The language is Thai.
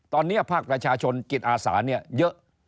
ตอนนี้ภาคประชาชนกิจอาสาเยอะ